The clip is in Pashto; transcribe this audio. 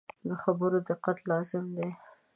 د خبرو دقت لازم دی.